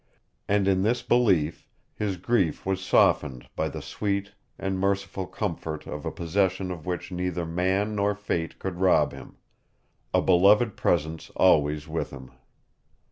And in this belief his grief was softened by the sweet and merciful comfort of a possession of which neither man nor fate could rob him a beloved Presence always with him.